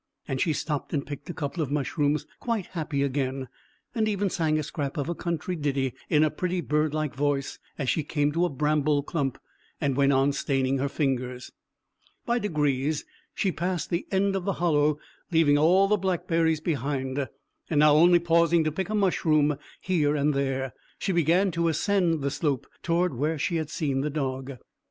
and she stooped and picked a couple of mushrooms, quite happy again, and even sang a scrap of a country ditty in a pretty bird like voice as she came to a bramble clump, and went on staining her fingers. By degrees she passed the end of the hollow, leaving all the blackberries behind, and now, only pausing to pick a mushroom here and there, she began to ascend the slope toward where she had seen the dog.